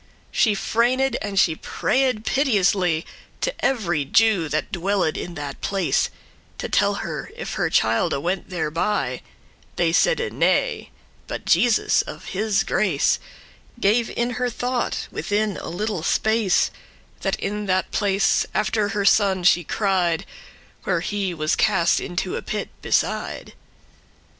She freined,* and she prayed piteously *asked* <11> To every Jew that dwelled in that place, To tell her, if her childe went thereby; They saide, "Nay;" but Jesus of his grace Gave in her thought, within a little space, That in that place after her son she cried, Where he was cast into a pit beside.